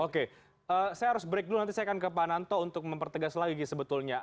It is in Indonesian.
oke saya harus break dulu nanti saya akan ke pak nanto untuk mempertegas lagi sebetulnya